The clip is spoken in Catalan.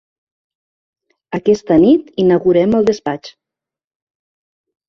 Aquesta nit inaugurem el despatx.